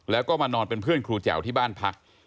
แล้วก็มานอนเป็นเพื่อนครูแจ๋วที่บ้านพัก